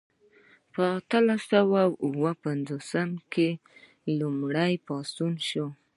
په اتلس سوه او اووه پنځوسم کال کې لوی پاڅون وشو.